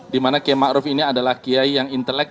di mana kiai maruf ini adalah kiai yang intelek